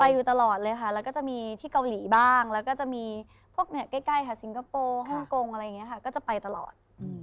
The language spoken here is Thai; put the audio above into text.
อยู่ตลอดเลยค่ะแล้วก็จะมีที่เกาหลีบ้างแล้วก็จะมีพวกใกล้ค่ะสิงคโปร์ฮ่องกงอะไรอย่างนี้ค่ะก็จะไปตลอด